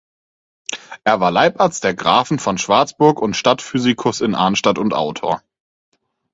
Er war Leibarzt der Grafen von Schwarzburg und Stadtphysicus in Arnstadt und Autor.